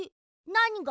なにが？